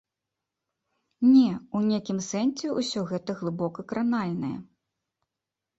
Не, у нейкім сэнсе ўсё гэта глыбока кранальнае.